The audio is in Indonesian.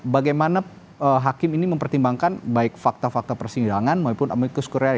bagaimana hakim ini mempertimbangkan baik fakta fakta persidangan maupun amicus korea